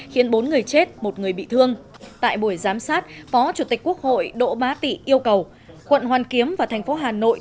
khiến bốn người chết một người bị thương tại buổi giám sát phó chủ tịch quốc hội đỗ bá tị yêu cầu quận hoàn kiếm và thành phố hà nội